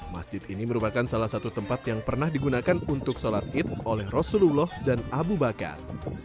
masjid ini merupakan salah satu tempat yang pernah digunakan untuk sholat id oleh rasulullah dan abu bakar